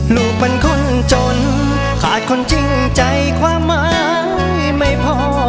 ลูกเป็นคนจนขาดคนจริงใจความหมายไม่พอ